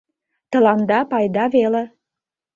— Тыланда пайда веле.